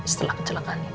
setelah kecelakaan itu